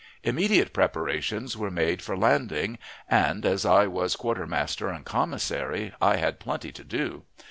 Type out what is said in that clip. Immediate preparations were made for landing, and, as I was quartermaster and commissary, I had plenty to do.